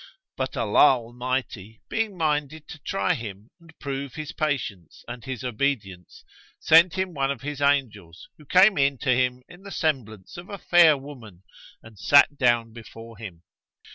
But Allah Almighty, being minded to try him and prove his patience and his obedience, sent him one of His angels, who came in to him in the semblance of a fair woman and sat down before him.